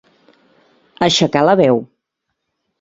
Aixecar la veu.